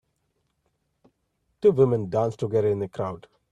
Two women dance together in a crowd.